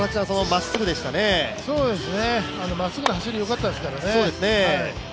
まっすぐの走りよかったですからね。